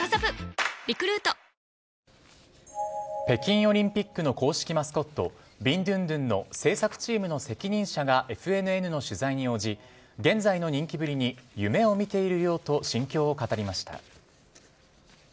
北京オリンピックの公式マスコットビンドゥンドゥンの制作チームの責任者がＦＮＮの取材に応じ現在の人気ぶりに夢を見ているようと心境を語りました。